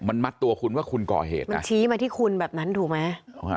มันมัดตัวคุณว่าคุณก่อเหตุมันชี้มาที่คุณแบบนั้นถูกไหม